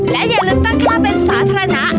และอย่าลืมตั้งค่าเป็นสาธารณะ